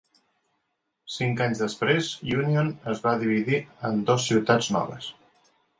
Cinc anys després Union es va dividir en dos ciutats noves.